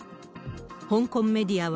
香港メディアは、